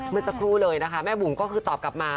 เมื่อสักครู่เลยนะคะแม่บุ๋มก็คือตอบกลับมา